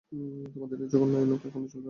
তোমাদের এই জঘন্য আইন এখানে চলবে না।